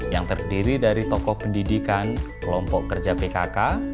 yang terdiri dari tokoh pendidikan kelompok kerja pkk